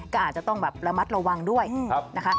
ก็อาจจะต้องแบบระมัดระวังด้วยนะคะ